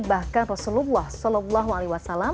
bahkan rasulullah saw